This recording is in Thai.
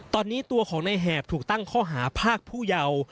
ตอนนี้ตัวของในแหบถูกตั้งข้อหาภาคผู้เยาว์